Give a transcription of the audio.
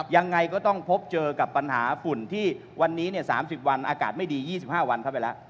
ยังไงก็ต้องพบเจอกับปัญหาฝุ่นที่วันนี้๓๐วันอากาศไม่ดี๒๕วันเข้าไปแล้ว